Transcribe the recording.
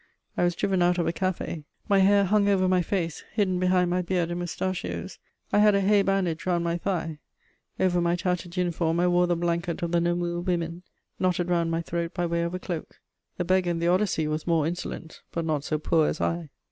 I was driven out of a café. My hair hung over my face, hidden behind my beard and mustachios; I had a hay bandage round my thigh; over my tattered uniform I wore the blanket of the Namur women, knotted round my throat by way of a cloak. The beggar in the Odyssey was more insolent, but not so poor as I.